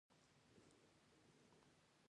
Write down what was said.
لیکل په لومړیو کې د انسان د خبرتیا لپاره و.